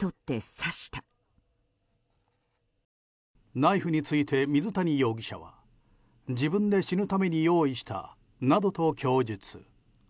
ナイフについて水谷容疑者は自分で死ぬために用意したなどと供述。